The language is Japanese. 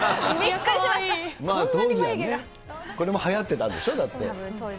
当時はね、これも流行ってたんでしょ？だって。